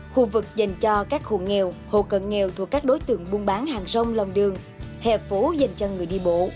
khu vực dành cho các khu nghèo hồ cận nghèo thuộc các đối tượng buôn bán hàng rong lòng đường hệ phố dành cho người đi bộ